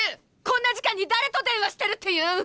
こんな時間に誰と電話してるっていうん！？